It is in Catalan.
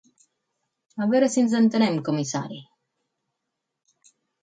A veure si ens entenem, comissari.